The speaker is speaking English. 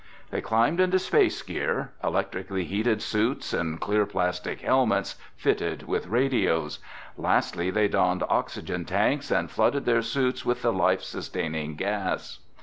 They climbed into space gear—electrically heated suits and clear plastic helmets fitted with radios. Lastly they donned oxygen tanks and flooded their suits with the life sustaining gas.